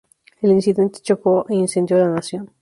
El incidente chocó e incendió la nación.